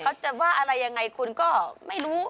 เขาจะว่าอะไรยังไงคุณก็ไม่รู้